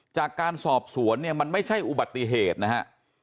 จากการสอบสวนเนี่ยมันไม่ใช่อุบัติเหตุนะฮะ